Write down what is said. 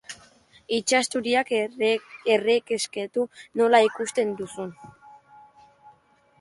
Itsasturiak erakusketa, nola ikusten duzu?